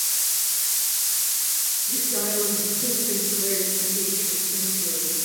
The island has since been declared a nature sanctuary.